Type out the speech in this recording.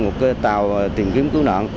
một tàu tìm kiếm cứu nạn